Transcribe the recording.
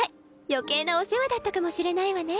余計なお世話だったかもしれないわね。